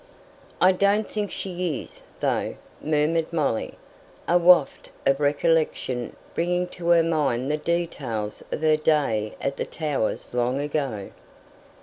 "I don't think she is, though," murmured Molly, a waft of recollection bringing to her mind the details of her day at the Towers long ago.